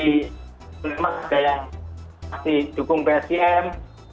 kita dari sleman juga yang masih dukung psim